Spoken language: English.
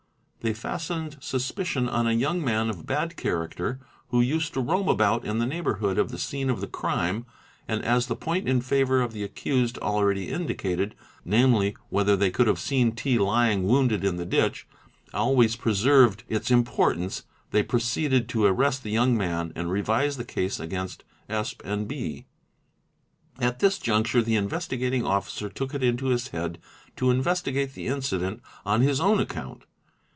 They fastened suspicion on a young man of bad character who used to roam about in the neighbourhood of the scene of the crime and as the point in favour of the accused already indicated, namely, whether they could have seen T. lying wounded in the ditch, always preserved its importance, they proceeded to arrest the young man and revise the case against Sp. and B. At this juncture the Investigating Officer took it into his head to investigate the incident on his own account.